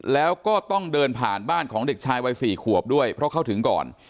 แล้วก็ต้องเดินผ่านบ้านของเด็กชายวัย๔ขวบด้วยเพราะเขาถึงก่อน